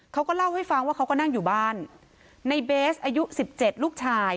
เขาก็เล่าให้ฟังว่าเขาก็นั่งอยู่บ้านในเบสอายุสิบเจ็ดลูกชาย